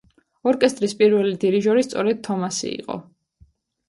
ორკესტრის პირველი დირიჟორი სწორედ თომასი იყო.